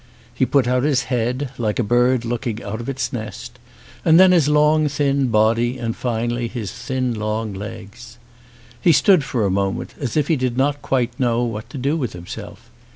He put out his head, like a bird looking out of its nest, and then his long thin body and finally his thin long legs. He stood for a moment as if he did not quite know what to do with himself.